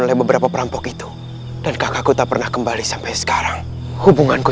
oleh beberapa perampok itu dan kakakku tak pernah kembali sampai sekarang hubunganku